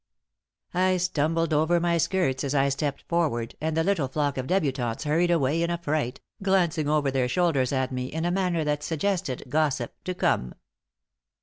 I stumbled over my skirts as I stepped forward, and the little flock of débutantes hurried away in affright, glancing over their shoulders at me in a manner that suggested gossip to come.